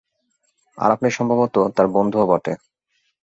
আর আপনি সম্ভবত তার বন্ধুও বটে।